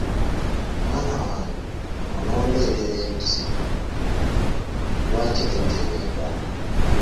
Mwana wange onondeetera ebizibu lwaki totereera?